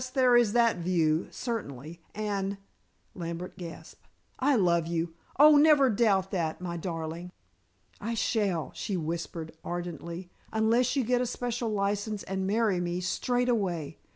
There is that view, certainly. And," Lambert gasped, "I love you oh, never doubt that, my darling." "I shall," she whispered ardently, "unless you get a special license and marry me straightaway."